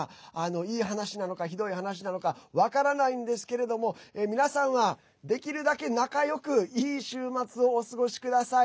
いい話なのか、ひどい話なのか分からないんですけれども皆さんは、できるだけ仲よくいい週末をお過ごしください。